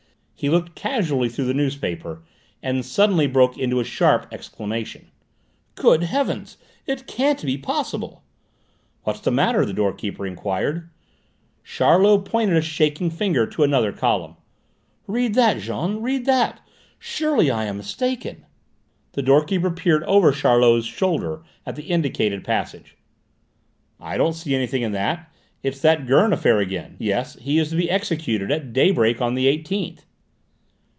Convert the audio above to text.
'" He looked casually through the newspaper, and suddenly broke into a sharp exclamation. "Good heavens, it can't be possible!" "What's the matter?" the door keeper enquired. Charlot pointed a shaking finger to another column. "Read that, Jean, read that! Surely I am mistaken." The door keeper peered over Charlot's shoulder at the indicated passage. "I don't see anything in that; it's that Gurn affair again. Yes, he is to be executed at daybreak on the eighteenth."